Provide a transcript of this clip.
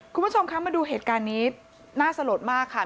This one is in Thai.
คุณผู้ชมคะมาดูเหตุการณ์นี้น่าสลดมากค่ะ